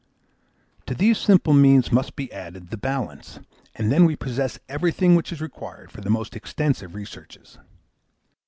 To these simple means must be added "The Balance," and then we possess everything which is required for the most extensive researches.